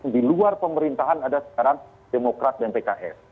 di luar pemerintahan ada sekarang demokrat dan pks